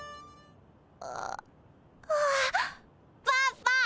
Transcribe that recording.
ああ！